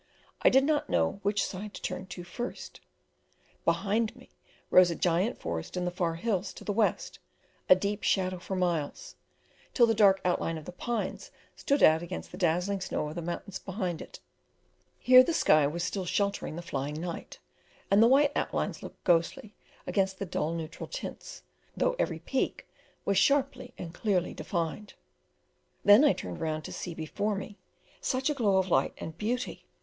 I did not know which side to turn to first. Behind me rose a giant forest in the far hills to the west a deep shadow for miles, till the dark outline of the pines stood out against the dazzling snow of the mountains behind it; here the sky was still sheltering the flying night, and the white outlines looked ghostly against the dull neutral tints, though every peak was sharply and clearly defined; then I turned round to see before me such a glow of light and beauty!